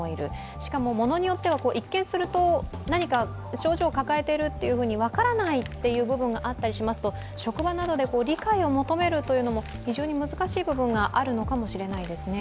しかも、ものによっては、一見すると症状を抱えていると分からないという部分があったりしますと、職場などで理解を求めるというのも非常に難しい部分があるのかもしれませんね。